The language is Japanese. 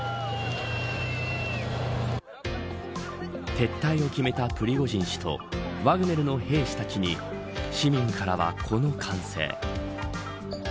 撤退を決めたプリゴジン氏とワグネルの兵士たちに市民からは、この歓声。